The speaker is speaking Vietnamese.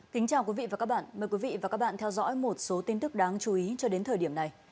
kính chào quý vị và các bạn mời quý vị và các bạn theo dõi một số tin tức đáng chú ý cho đến thời điểm này